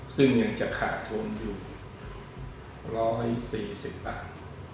ซึ่งเงินจะขาดทุนอยู่๑๔๐บาท